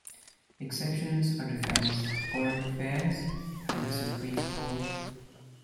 Exceptions are defence, foreign affairs, and the Supreme Court.